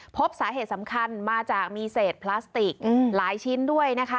พบสาเหตุสำคัญมาจากมีเศษพลาสติกหลายชิ้นด้วยนะคะ